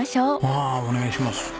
ああお願いします。